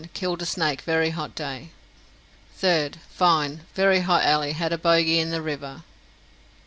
Killed a snake very hot day. 3rd. Fine. Very hot alle had a boagy in the river.